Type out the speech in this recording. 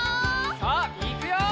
さあいくよ！